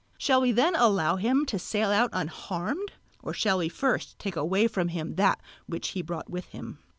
Shall we then allow him to sail out unharmed, or shall we first take away from him that which he brought with him?"